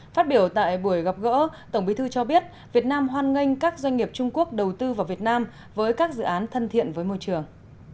phát biểu tại buổi gặp gỡ tổng bí thư cho biết việt nam hoan nghênh các doanh nghiệp trung quốc đầu tư vào việt nam với các dự án thân thiện với môi trường